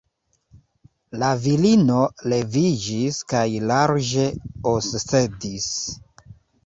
La virino leviĝis kaj larĝe oscedis.